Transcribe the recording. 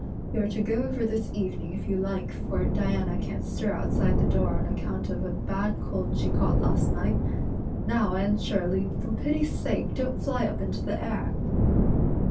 You're to go over this evening if you like for Diana can't stir outside the door on account of a bad cold she caught last night. Now, Anne Shirley, for pity's sake don't fly up into the air."